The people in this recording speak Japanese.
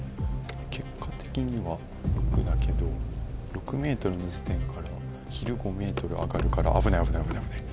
結果的には６だけど６ｍの時点から昼５ｍ上がるから危ない危ない。